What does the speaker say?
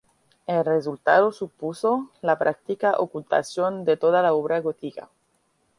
El resultado supuso la práctica ocultación de toda la obra gótica.